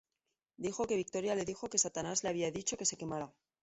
Dijo que Victoria le dijo que Satanás le había dicho que se quemara.